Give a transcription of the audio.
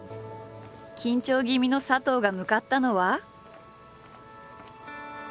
緊張気味の佐藤が向かったのは。